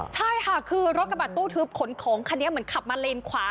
ใช่ค่ะคือรถกระบะตู้ทึบขนของคันนี้เหมือนขับมาเลนขวา